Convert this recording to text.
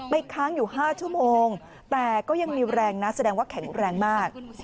ค้างอยู่๕ชั่วโมงแต่ก็ยังมีแรงนะแสดงว่าแข็งแรงมาก